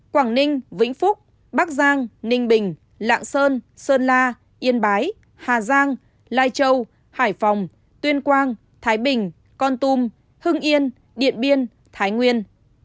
quảng ninh vĩnh phúc bắc giang ninh bình lạng sơn la yên bái hà giang lai châu hải phòng tuyên quang thái bình con tum hưng yên điện biên thái nguyên